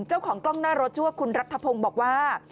เจ้าของกล้องหน้ารถชื่อว่าคุณรัฐพงศ์บอกว่า